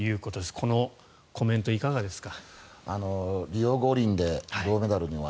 このコメントいかがですか。